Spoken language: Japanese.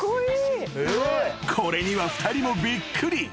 ［これには２人もびっくり］